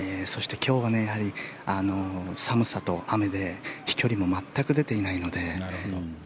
そして、今日はやはり寒さと雨で飛距離も全く出ていないので。